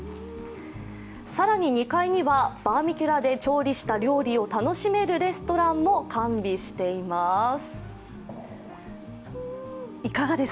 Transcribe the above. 更に２階には、バーミキュラで調理した料理を楽しめるレストランも完備しています。